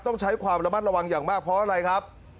ต้องใช้ความระมัดระวังอย่างมากเพราะอะไรครับ